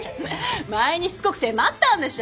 前にしつこく迫ったんでしょ？